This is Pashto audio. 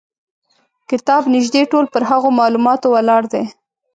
کتاب نیژدې ټول پر هغو معلوماتو ولاړ دی.